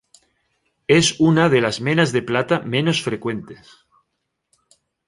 Es una de las menas de plata menos frecuentes.